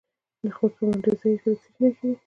د خوست په مندوزیو کې د څه شي نښې دي؟